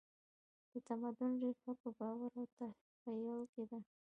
د تمدن ریښه په باور او تخیل کې ده.